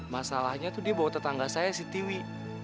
masalahnya itu dia bawa tetangga saya si tiwi